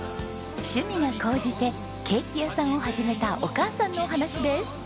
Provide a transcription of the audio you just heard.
趣味が高じてケーキ屋さんを始めたお母さんのお話です。